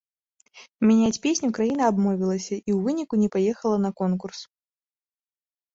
Мяняць песню краіна абмовілася і ў выніку не паехала на конкурс.